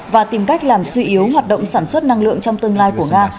và tìm cách làm suy yếu hoạt động sản xuất năng lượng trong tương lai của nga